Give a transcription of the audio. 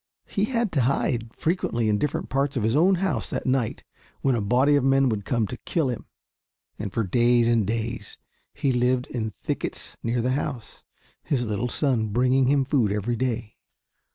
He had to hide frequently in different parts of his own house at night when a body of men would come to kill him, and for days and days he lived in thickets near the house, his little son bringing him food every day.